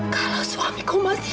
kalau suamiku masih